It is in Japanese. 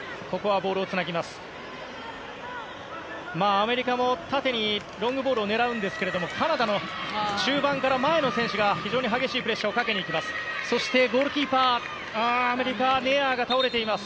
アメリカも縦にロングボールを狙うんですがカナダの中盤から前の選手が非常に激しいプレッシャーをかけにいきます。